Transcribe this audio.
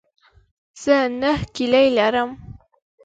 زه نهه کیلې لرم.